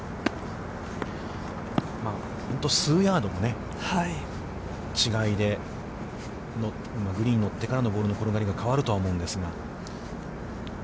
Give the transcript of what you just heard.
本当数ヤードの違いで、グリーンに乗ってからのボールの転がりが変わると思うんですが。